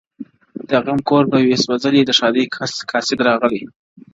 د غم کور به وي سوځلی د ښادۍ قاصد راغلی!